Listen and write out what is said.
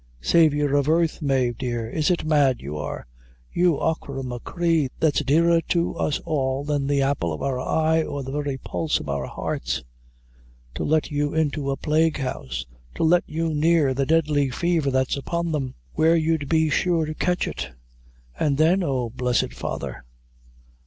"Saviour of earth, Mave dear, is it mad you are? You, achora machree, that's! dearer to us all than the apple of our eye, or the very pulse of our hearts to let you into a plague house to let you near the deadly faver that's upon them where you'd be sure to catch it; an' then oh, blessed Father.